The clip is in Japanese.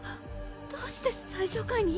どうして最上階に？